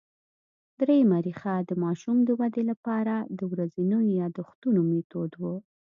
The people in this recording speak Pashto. درېیمه ریښه د ماشوم د ودې له پاره د ورځينو یادښتونو مېتود وو